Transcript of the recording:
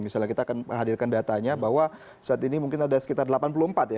misalnya kita akan hadirkan datanya bahwa saat ini mungkin ada sekitar delapan puluh empat ya